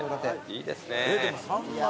いいですねぇ。